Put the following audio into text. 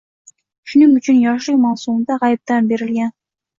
Shuning uchun, yoshlik mavsumida g’aybdan berilgan.